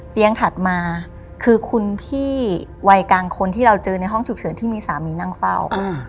ถัดมาคือคุณพี่วัยกลางคนที่เราเจอในห้องฉุกเฉินที่มีสามีนั่งเฝ้า